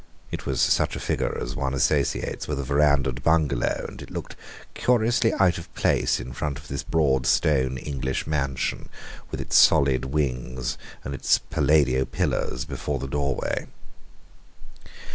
It was such a figure as one associates with a verandahed bungalow, and it looked curiously out of place in front of this broad, stone English mansion, with its solid wings and its Palladio pillars before the doorway.